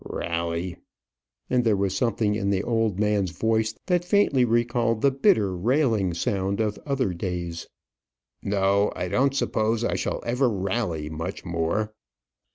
"Rally!" And there was something in the old man's voice that faintly recalled the bitter railing sound of other days. "No; I don't suppose I shall ever rally much more."